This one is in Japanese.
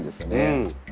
うん！